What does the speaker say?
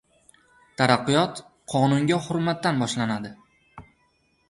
Taraqqiyot qonunga hurmatdan boshlanadi